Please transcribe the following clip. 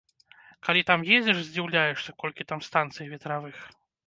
Калі там едзеш, здзіўляешся, колькі там станцый ветравых.